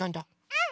うん！